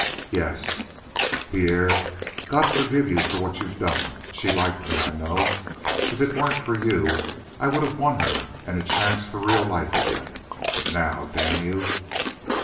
"Yes." "Pierre. God forgive you for what you've done. She liked me, I know. If it weren't for you, I would have won her and a chance for real life again but now damn you!"